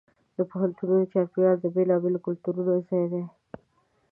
د پوهنتون چاپېریال د بېلابېلو کلتورونو ځای دی.